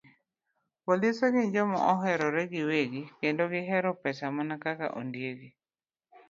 Polise gin joma oherore giwegi, kendo gihero pesa mana kaka ondiegi.